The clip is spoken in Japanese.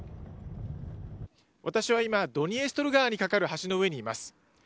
私は今ドニエストル川に架かる橋の上にいます。